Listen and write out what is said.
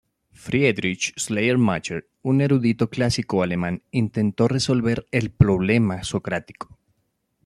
Friedrich Schleiermacher, un erudito clásico alemán, intentó resolver el "Problema socrático".